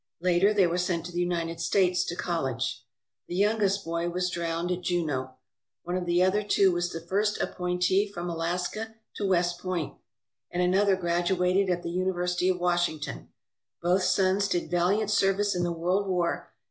Later they were sent to the United States to college. The youngest boy was drowned at Juneau. One of the other two was the first appointee from Alaska to West Point, and another graduated at the University of Wash ington, Both sons did valiant service in the World War.